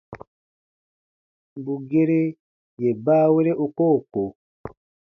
Bù gere yè baawere u koo ko.